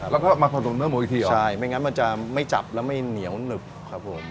แล้วก็มาผสมเนื้อหมูอีกทีใช่ไม่งั้นมันจะไม่จับแล้วไม่เหนียวหนึบครับผม